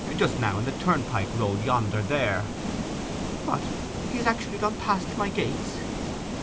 'Just now, in the turnpike road yonder there.' 'What! he has actually gone past my gates?